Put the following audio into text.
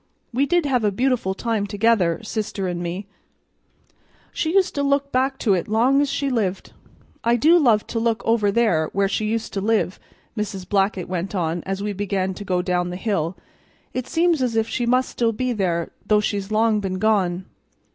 We did have a beautiful time together, sister an' me; she used to look back to it long's she lived. "I do love to look over there where she used to live," Mrs. Blackett went on as we began to go down the hill. "It seems as if she must still be there, though she's long been gone.